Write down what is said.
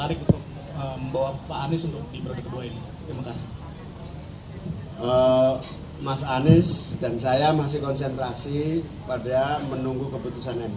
jadi tidak ada satu sikap atau niat dari mas anies untuk maju di bilkada